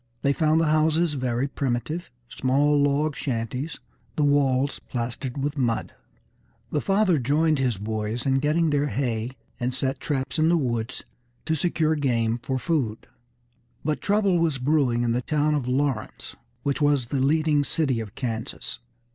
They found the houses very primitive, small log shanties, the walls plastered with mud. The father joined his boys in getting in their hay, and set traps in the woods to secure game for food. But trouble was brewing in the town of Lawrence, which was the leading city of Kansas.